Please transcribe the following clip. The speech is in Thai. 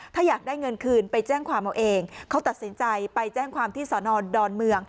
ถ้าอยากได้เงินคืนไปแจ้งความเอาเองเขาตัดสินใจไปแจ้งความที่สอนอนดอนเมือง